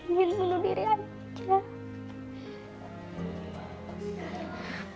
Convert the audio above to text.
minta bunuh diri aja